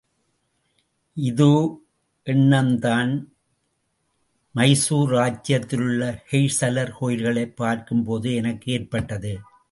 இதே எண்ணம்தான் மைசூர் ராஜ்யத்திலுள்ள ஹொய்சலர் கோயில்களைப் பார்க்கும்போதும் எனக்கு ஏற்பட்டது.